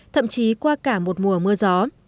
thậm chí qua cả một mùa mưa gió